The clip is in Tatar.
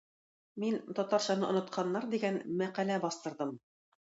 Мин "татарчаны онытканнар" дигән мәкалә бастырдым.